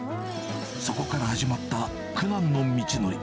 そこから始まった苦難の道のり。